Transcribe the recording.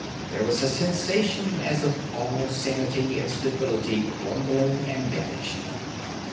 There was a sensation as of all sanity and stability crumbling and vanishing.